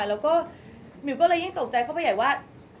แล้วก็มิวก็เลยยิ่งตกใจเข้าไปใหญ่ว่า